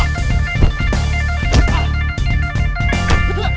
kau harus hafal penuh ya